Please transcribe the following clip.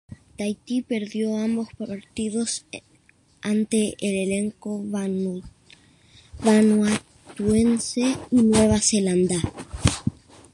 Tahití perdió ambos partidos ante el elenco vanuatuense y Nueva Zelanda.